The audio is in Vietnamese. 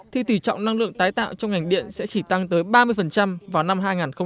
thì tỉ trọng năng lượng tái tạo trong ngành điện sẽ chỉ tăng tới ba mươi vào năm hai nghìn hai mươi